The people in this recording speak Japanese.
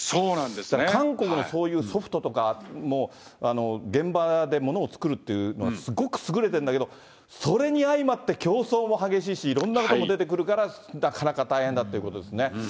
だから韓国のそういうソフトとか、現場でものを作るっていうのは、すごく優れてるんだけど、それに相まって競争も激しいし、いろんなことも出てくるから、なかなか大変だということですね。